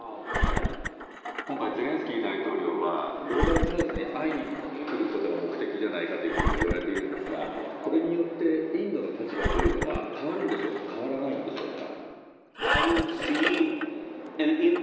今回、ゼレンスキー大統領はグローバル・サウスに会いに来ることが目的ではないかといわれているんですが、これによってインドの立場というのは変わるんでしょうか、変わらないんでしょうか。